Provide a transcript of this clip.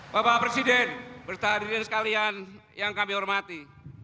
bapak presiden bapak presiden sekalian yang kami hormati